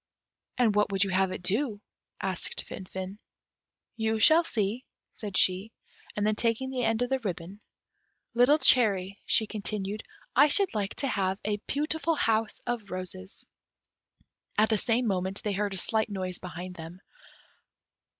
"And what would you have it do?" asked Finfin. "You will see," said she; and then taking the end of the ribbon, "Little cherry," she continued, "I should like to have a beautiful house of roses." At the same moment they heard a slight noise behind them.